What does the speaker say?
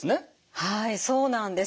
はいそうなんです。